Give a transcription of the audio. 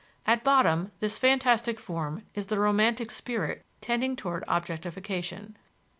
At bottom this fantastic form is the romantic spirit tending toward objectification.